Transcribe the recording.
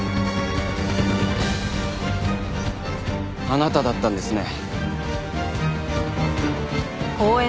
あなただったんですね。